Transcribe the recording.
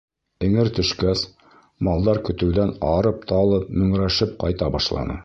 Эңер төшкәс, малдар көтөүҙән арып-талып, мөңрәшеп ҡайта башланы.